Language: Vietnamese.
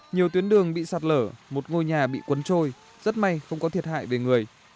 nhiều tuyến đường bị sạt lở một ngôi nhà bị cuốn trôi rất may không có thiệt hại về người